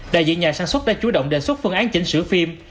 đại diện nhà sản xuất đã chú động đề xuất phương án chỉnh sửa phim